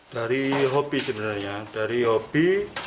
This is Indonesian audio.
dari hobi sebenarnya dari hobi